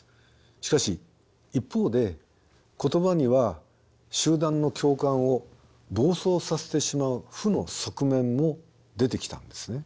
しかし一方で言葉には集団の共感を暴走させてしまう負の側面も出てきたんですね。